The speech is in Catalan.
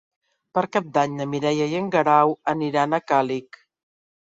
Per Cap d'Any na Mireia i en Guerau aniran a Càlig.